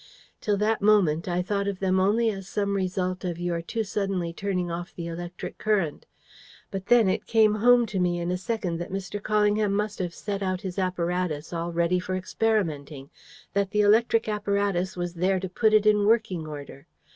Till that moment, I thought of them only as some result of your too suddenly turning off the electric current. But then, it came home to me in a second that Mr. Callingham must have set out his apparatus all ready for experimenting that the electric apparatus was there to put it in working order.